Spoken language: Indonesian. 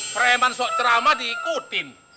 preman sok ceramah diikutin